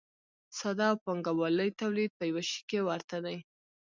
ساده او پانګوالي تولید په یوه شي کې ورته دي.